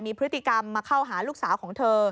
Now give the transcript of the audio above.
มีพฤติกรรมมาเข้าหาลูกสาวของเธอ